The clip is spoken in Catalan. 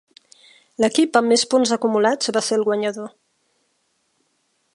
L'equip amb més punts acumulats va ser el guanyador.